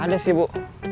ada sih bu